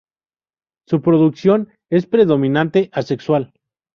Su reproducción es predominantemente asexual.